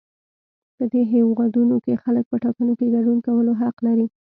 په دې هېوادونو کې خلک په ټاکنو کې ګډون کولو حق لري.